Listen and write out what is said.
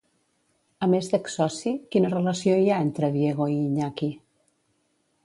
A més d'ex-soci, quina relació hi ha entre Diego i Iñaki?